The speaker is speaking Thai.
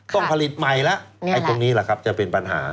ต้องผลิตใหม่แล้วตอนนี้จะเป็นปัญหา